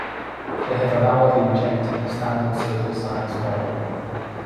They have avowedly rejected the standard social science model.